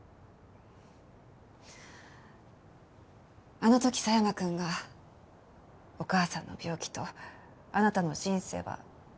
あの時佐山くんが「お母さんの病気とあなたの人生は全く別物だ」